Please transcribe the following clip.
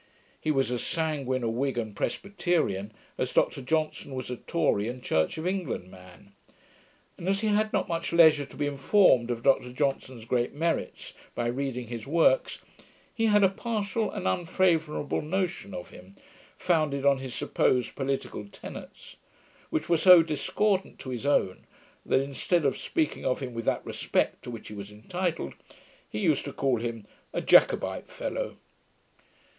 He was as sanguine a Whig and Presbyterian, as Dr Johnson was a Tory and Church of England man: and as he had not much leisure to be informed of Dr Johnson's great merits by reading his works, he had a partial and unfavourable notion of him, founded on his supposed political tenets; which were so discordant to his own, that, instead of speaking of him with respect to which he was entitled, he used to call him 'a JACOBITE FELLOW'.